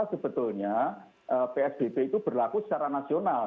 sebenarnya dn dewan distrik stoto dulu